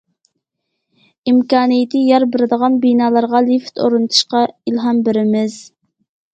ئىمكانىيىتى يار بېرىدىغان بىنالارغا لىفىت ئورنىتىشقا ئىلھام بېرىمىز.